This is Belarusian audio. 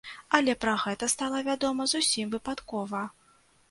Але пра гэта стала вядома зусім выпадкова.